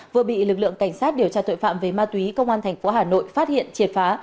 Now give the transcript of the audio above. vừa bị lực lượng cảnh sát điều tra tội phạm về ma túy công an thành phố hà nội phát hiện triệt phá